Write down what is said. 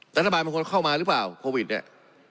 แต่ระบานมันควรเข้ามาหรือเปล่าโควิดเนี่ย